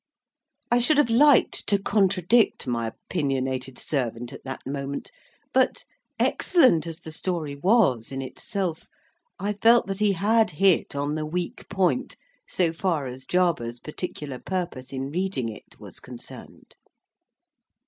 I should have liked to contradict my opinionated servant, at that moment. But, excellent as the story was in itself, I felt that he had hit on the weak point, so far as Jarber's particular purpose in reading it was concerned.